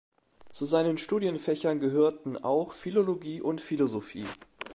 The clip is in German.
Zu seinen Studienfächern gehörten auch Philologie und Philosophie.